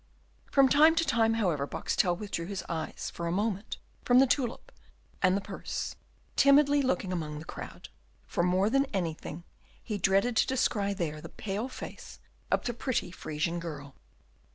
From time to time, however, Boxtel withdrew his eyes for a moment from the tulip and the purse, timidly looking among the crowd, for more than anything he dreaded to descry there the pale face of the pretty Frisian girl.